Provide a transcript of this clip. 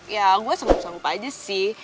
ya gue selalu selalu lupa aja sih